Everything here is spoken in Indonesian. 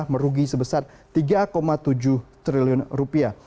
merugi sebesar tiga tujuh triliun rupiah